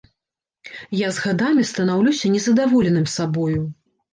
Я з гадамі станаўлюся незадаволеным сабою.